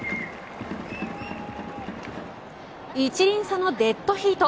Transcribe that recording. １厘差のデッドヒート。